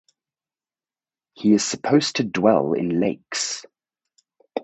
He is supposed to dwell in lakes.